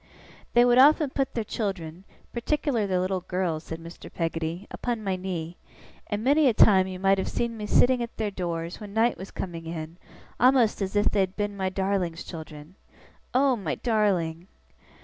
'They would often put their children particular their little girls,' said Mr. Peggotty, 'upon my knee; and many a time you might have seen me sitting at their doors, when night was coming in, a'most as if they'd been my Darling's children. Oh, my Darling!